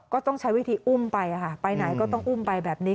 ก็ต้องใช้วิธีอุ้มไปค่ะไปไหนก็ต้องอุ้มไปแบบนี้